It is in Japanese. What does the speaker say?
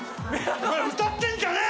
歌ってんじゃねぇ！